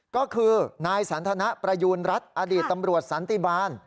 ก็คือนายสันทนประยูณรัฐอดีตตำรวจสันติบาล